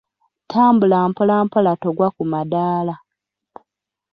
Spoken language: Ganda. Tambula mpola mpola togwa ku madaala.